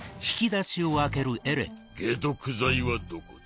解毒剤はどこだ？